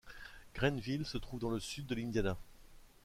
Greenville se trouve dans le sud de l'Indiana.